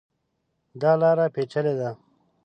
دا لاره پېچلې ده.